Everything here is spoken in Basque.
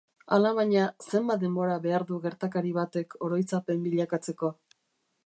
Alabaina, zenbat denbora behar du gertakari batek oroitzapen bilakatzeko?